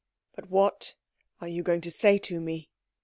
"But what are you going to say to me?"